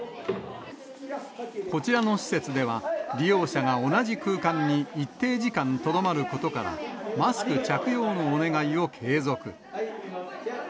こちらの施設では、利用者が同じ空間に一定時間とどまることから、マスク着用のお願いを継続。